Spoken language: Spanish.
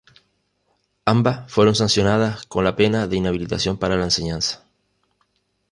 Ambas fueron sancionadas con la pena de inhabilitación para la Enseñanza.